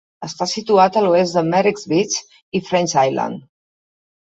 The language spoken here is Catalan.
Està situat a l'oest de Merricks Beach i French Island.